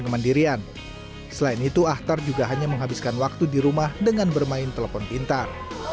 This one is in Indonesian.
kemandirian selain itu ahtar juga hanya menghabiskan waktu di rumah dengan bermain telepon pintar